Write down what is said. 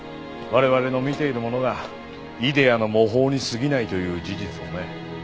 我々の見ているものがイデアの模倣に過ぎないという事実をね。